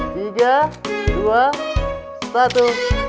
tiga dua satu